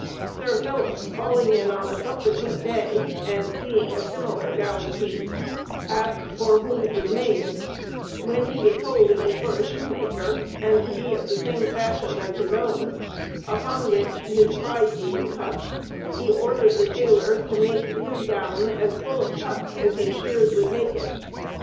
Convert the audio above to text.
Sir Philip, calling in on a subsequent day, and seeing a similar gown piece, asked for whom it was made, when he was told it was for a shoemaker, and to be of the same fashion as his own: upon which, his pride being touched, he ordered the tailor to make his gown as full of cuts as his shears would make it.